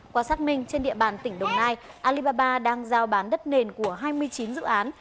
qua xác minh trên địa bàn tỉnh đồng nai alibaba đang giao bán đất nền của hai mươi chín dự án